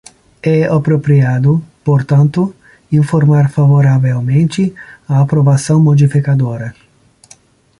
É apropriado, portanto, informar favoravelmente a aprovação modificadora.